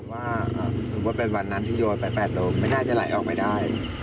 ว่าถือว่าเป็นวันนั้นที่โยนไป๘โลไม่น่าจะไหลออกไม่ได้